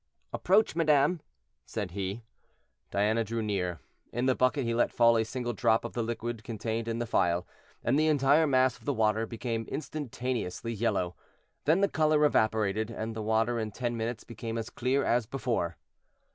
"Approach, madame," said he. Diana drew near. In the bucket he let fall a single drop of the liquid contained in the phial, and the entire mass of the water became instantaneously yellow; then the color evaporated, and the water in ten minutes became as clear as before.